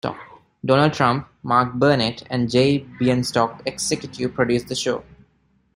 Donald Trump, Mark Burnett and Jay Bienstock executive produced the show.